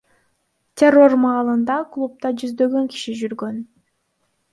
Террор маалында клубда жүздөгөн киши жүргөн.